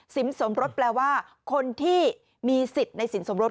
สมรสแปลว่าคนที่มีสิทธิ์ในสินสมรส